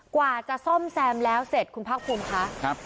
กว่าจะซ่อมแซมแล้วเสร็จคุณภาคภูมิค่ะ